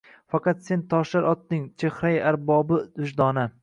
Faqat sen toshlar otding chehrai-arbobi-vijdona